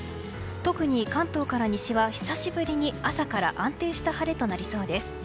特に関東から西は久しぶりに朝から安定した晴れとなりそうです。